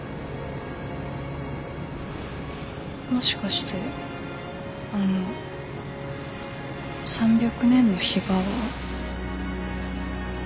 もしかしてあの３００年のヒバは。